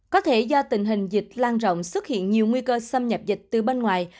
có thể do tình hình dịch lan rộng xuất hiện nhiều nguy cơ xâm nhập dịch từ bên ngoài